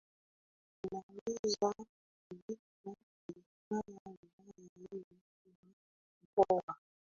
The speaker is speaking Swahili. inaweza kutumika kuifanya wilaya hiyo kuwa Mkoa